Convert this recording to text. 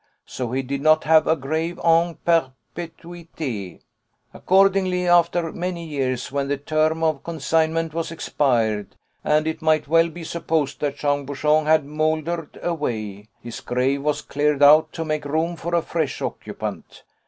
So he did not have a grave en perpétuité. Accordingly, after many years, when the term of consignment was expired, and it might well be supposed that Jean Bouchon had mouldered away, his grave was cleared out to make room for a fresh occupant.